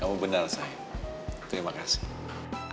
kamu benar saya terima kasih